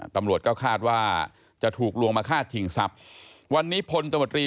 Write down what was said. ตำรวจก็คาดว่าจะถูกลวงมาฆ่าถิ่งทรัพย์